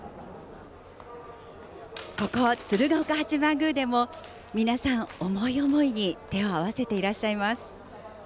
ここ、鶴岡八幡宮でも皆さん、思い思いに手を合わせていらっしゃいます。